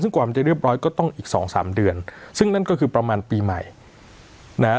ซึ่งกว่ามันจะเรียบร้อยก็ต้องอีกสองสามเดือนซึ่งนั่นก็คือประมาณปีใหม่นะฮะ